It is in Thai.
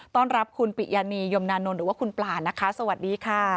ต้อนรับคุณปิยานียมนานนท์หรือว่าคุณปลานะคะสวัสดีค่ะ